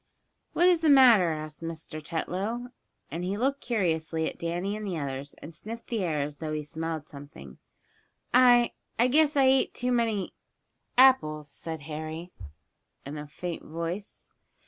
"What is the matter?" asked Mr. Tetlow, and he looked curiously at Danny and the others, and sniffed the air as though he smelled something. "I I guess I ate too many apples," said Harry, in a faint voice.